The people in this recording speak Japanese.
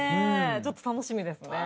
ちょっと楽しみですね。